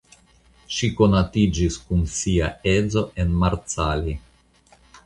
Ŝi konatiĝis kun sia edzo en Marcali.